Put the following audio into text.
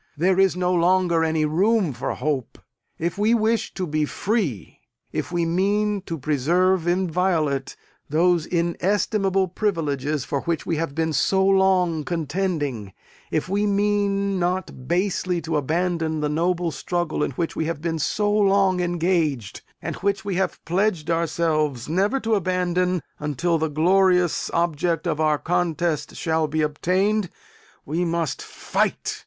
There is no longer any room for hope. If we wish to be free if we mean to preserve inviolate those inestimable privileges for which we have been so long contending if we mean not basely to abandon the noble struggle in which we have been so long engaged, and which we have pledged ourselves never to abandon, until the glorious abject of our contest shall be obtained we must fight!